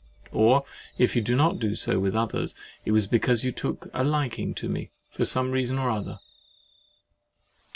—Or, if you do not do so with others, it was because you took a liking to me for some reason or other.